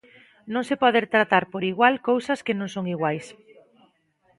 Non se pode tratar por igual cousas que non son iguais.